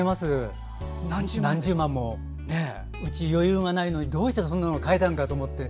何十万もうち、余裕がないのにどうしてそんなもの買えたのかって。